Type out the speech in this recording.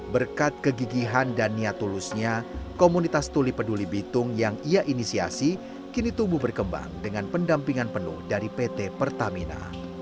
berkat kegigihan dan niat tulusnya komunitas tuli peduli bitung yang ia inisiasi kini tumbuh berkembang dengan pendampingan penuh dari pt pertamina